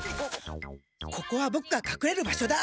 ここはボクがかくれる場所だ！